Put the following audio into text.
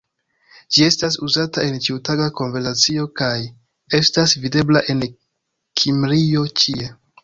Ĝi estas uzata en ĉiutaga konversacio kaj estas videbla en Kimrio ĉie.